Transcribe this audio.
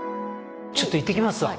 ちょっと行ってきますわ。